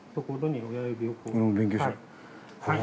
俺も勉強しよ。